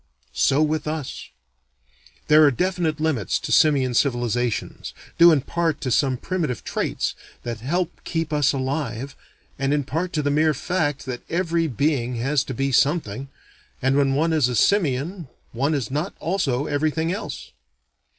So with us. There are definite limits to simian civilizations, due in part to some primitive traits that help keep us alive, and in part to the mere fact that every being has to be something, and when one is a simian one is not also everything else.